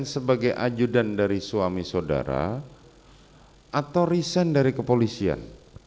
sebagai ajudan dari suami saudara atau riset dari kepolisian